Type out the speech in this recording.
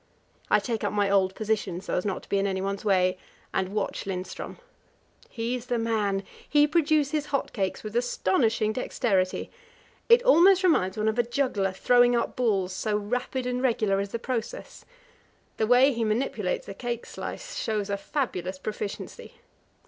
I take up my old position, so as not to be in anyone's way, and watch Lindström. He's the man he produces hot cakes with astonishing dexterity; it almost reminds one of a juggler throwing up balls, so rapid and regular is the process. The way he manipulates the cake slice shows a fabulous proficiency.